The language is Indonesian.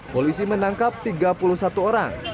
polisi menangkap tiga puluh satu orang